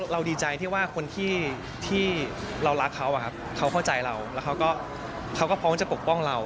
ดีใจที่ว่าคนที่เรารักเขาเขาเข้าใจเราแล้วเขาก็พร้อมจะปกป้องเรา